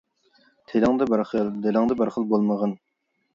تىلىڭدا بىر خىل، دىلىڭدا بىر خىل بولمىغىن.